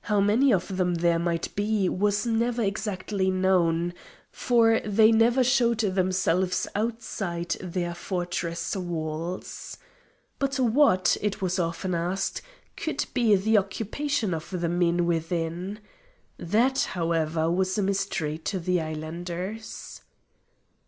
How many of them there might be was never exactly known, for they never showed themselves outside their fortress walls. But what, it was often asked, could be the occupation of the men within? That, however, was a mystery to the islanders.